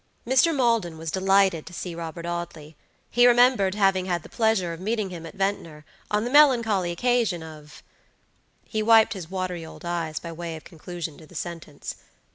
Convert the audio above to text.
Mr. Maldon was delighted to see Robert Audley; he remembered having had the pleasure of meeting him at Ventnor, on the melancholy occasion ofHe wiped his watery old eyes by way of conclusion to the sentence.